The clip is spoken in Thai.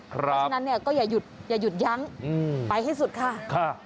เพราะฉะนั้นเนี่ยก็อย่าหยุดยั้งไปให้สุดค่ะ